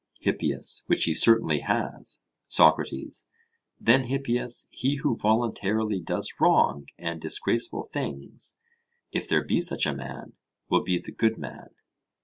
HIPPIAS: Which he certainly has. SOCRATES: Then, Hippias, he who voluntarily does wrong and disgraceful things, if there be such a man, will be the good man?